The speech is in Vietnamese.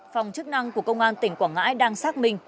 phòng chức năng của công an tỉnh quảng ngãi đang xác minh